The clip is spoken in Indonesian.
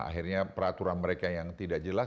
akhirnya peraturan mereka yang tidak jelas